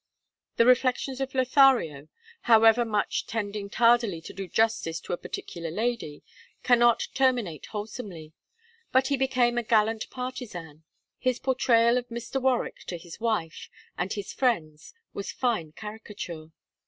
The reflections of Lothario, however much tending tardily to do justice to a particular lady, cannot terminate wholesomely. But he became a gallant partisan. His portrayal of Mr. Warwick to his wife and his friends was fine caricature.